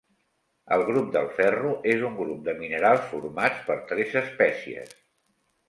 El grup del ferro és un grup de minerals format per tres espècies.